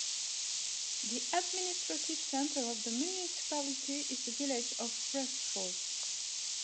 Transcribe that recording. The administrative centre of the municipality is the village of Prestfoss.